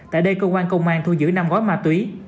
tại đây công an thu giữ năm gói ma túy